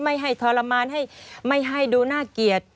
ไม่ให้ทรมานไม่ให้ดูน่าเกียรติ